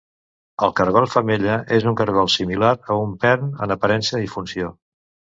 El cargol-femella és un cargol similar a un pern en aparença i funció.